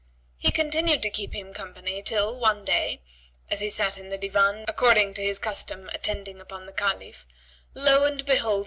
He continued to keep him company till, one day, as he sat in the Divan, according to his custom attending upon the Caliph, lo and behold!